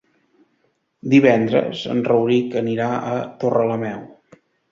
Divendres en Rauric anirà a Torrelameu.